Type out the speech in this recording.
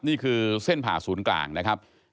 นี่คือเส้นผ่าศูนย์กลางนะครับ